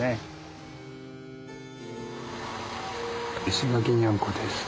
石垣にゃんこです。